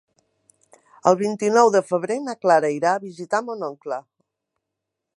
El vint-i-nou de febrer na Clara irà a visitar mon oncle.